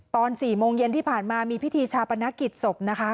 ตอน๔โมงเย็นที่ผ่านมามีพิธีชาปนกิจศพนะคะ